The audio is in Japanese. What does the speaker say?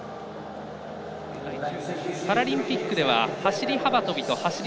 パラリンピックでは走り幅跳びと走り